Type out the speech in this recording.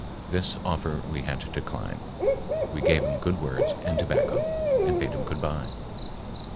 This offer we had to decline. We gave him good words and tobacco and bade him good bye.